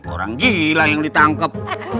orang gila yang ditangkep